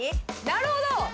なるほど。